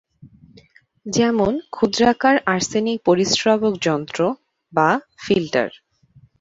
যেমন ক্ষুদ্রাকার আর্সেনিক পরিস্রাবক যন্ত্র বা ফিল্টার।